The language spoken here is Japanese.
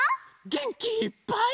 げんきいっぱい。